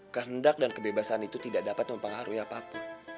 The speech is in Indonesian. kehendak dan kebebasan itu tidak dapat mempengaruhi apapun